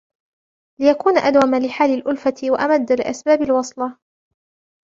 لِيَكُونَ أَدْوَمَ لِحَالِ الْأُلْفَةِ وَأَمَدَّ لِأَسْبَابِ الْوَصْلَةِ